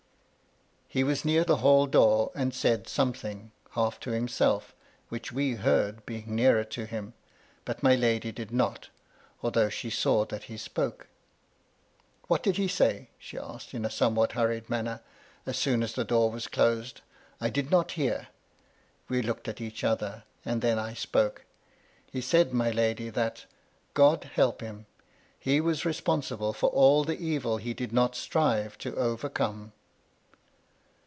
He was near the hall door, and said something — half to himself, which we heard (being nearer to him), but my lady did not ; although she saw that he spoke. *' What did he say ?" she asked, in a somewhat hurried manner, as soon as the door was closed —" I did not hear." We looked at each other, and then I spoke :" He said, my lady, that * God help him I he was re sponsible for all the evil he did not strive to overcome.'